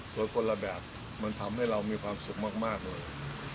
ส่วนคนละแบบมันทำให้เรามีความสุขมากเลย